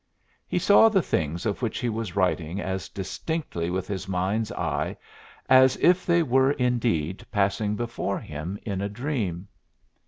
He saw the things of which he was writing as distinctly with his mind's eye as if they were, indeed, passing before him in a dream."